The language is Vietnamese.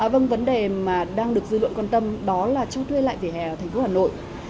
vâng vấn đề mà đang được dư luận quan tâm đó là cho thuê lại vỉa hè ở thành phố hà nội